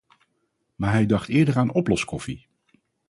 Maar hij dacht eerder aan oploskoffie.